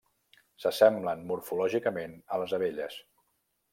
Se semblen morfològicament a les abelles.